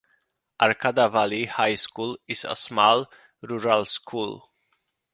Arcadia Valley High School is a small, rural school.